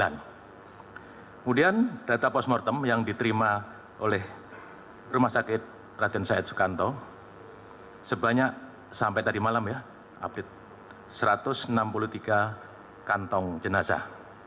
kemudian data postmortem yang diterima oleh rumah sakit rakyat syed sukanto sebanyak satu ratus enam puluh tiga kantong jenazah